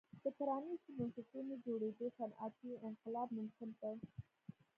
د پرانیستو بنسټونو جوړېدو صنعتي انقلاب ممکن کړ.